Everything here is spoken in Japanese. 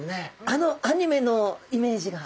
あのアニメのイメージが。